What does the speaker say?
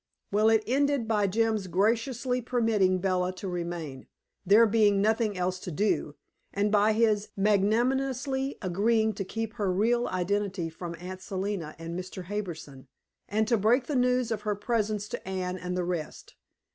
Well, it ended by Jim's graciously permitting Bella to remain there being nothing else to do and by his magnanimously agreeing to keep her real identity from Aunt Selina and Mr. Harbison, and to break the news of her presence to Anne and the rest.